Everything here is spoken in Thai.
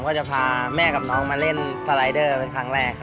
ก็จะพาแม่กับน้องมาเล่นสไลเดอร์เป็นครั้งแรกครับ